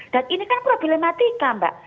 ini kan problematika mbak